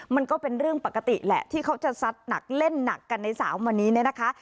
มันก็เป็นเรื่องปกติแหละที่เขาจะซัดหนักเล่นหนักกันใน๓วันนี้เนี่ยนะคะ